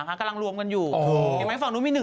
กำลังรวมคะแนนเหร่ะคุณแม่